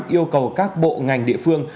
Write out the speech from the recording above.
yêu cầu các bộ ngành địa phương